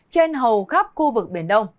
trên hầu khắp khu vực biển đông